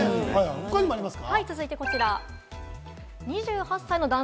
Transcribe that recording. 他にもありますか？